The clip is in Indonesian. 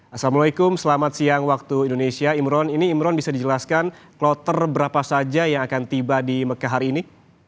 assalamualaikum selamat siang waktu indonesia imron ini imron bisa dijelaskan kloter berapa saja yang akan tiba di mekah hari ini